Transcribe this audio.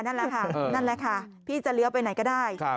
พี่ของมาจะเลี้ยวไปไหนก็ได้